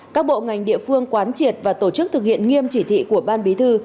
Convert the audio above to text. các bộ ngành địa phương quán triệt và tổ chức thực hiện nghiêm chỉ thị của ban bí thư